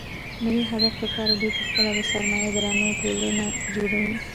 د دې هدف لپاره دوی په خپله د سرمایه دارانو ټولنه جوړوي